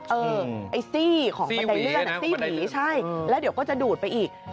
เออไอ้ซี่ของบันไดเลื่อนซี่หนีใช่แล้วเดี๋ยวก็จะดูดไปอีก